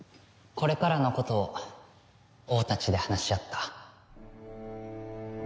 これからのことを王たちで話し合った。